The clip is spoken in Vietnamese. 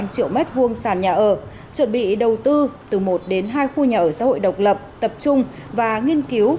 một hai trăm một mươi năm triệu m hai sàn nhà ở chuẩn bị đầu tư từ một đến hai khu nhà ở xã hội độc lập tập trung và nghiên cứu